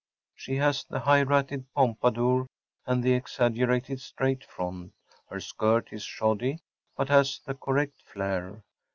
She has the high ratted pompadour, and the exaggerated straight front. Her skirt is shoddy, but has the correct flare.